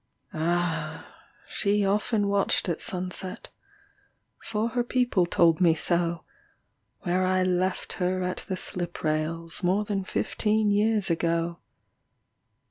Ah! she often watched at sunset For her people told me so Where I left her at the slip rails More than fifteen years ago.